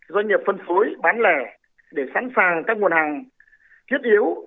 doanh nghiệp phân phối bán lẻ để sẵn sàng các nguồn hàng thiết yếu